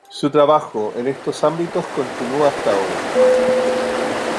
Su trabajo en estos ámbitos continúa hasta hoy.